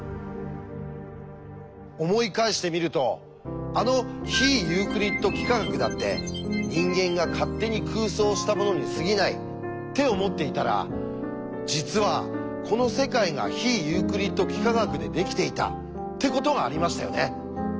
思い返してみるとあの非ユークリッド幾何学だって人間が勝手に空想したものにすぎないって思っていたら実はこの世界が非ユークリッド幾何学でできていたってことがありましたよね。